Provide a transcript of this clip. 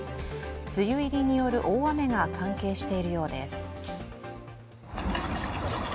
梅雨入りによる大雨が関係しているようです。